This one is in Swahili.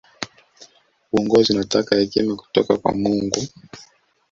uongozi unataka hekima kutoka kwa mungu